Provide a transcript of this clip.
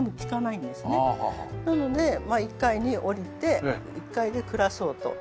なので１階に下りて１階で暮らそうと。